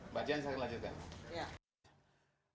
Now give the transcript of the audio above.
mbak jan saya lanjutkan